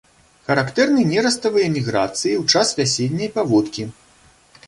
Характэрны нераставыя міграцыі ў час вясенняй паводкі.